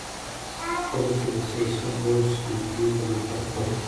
کله چې د سیسل روډز کمپنۍ پرمختګ پیل کړ.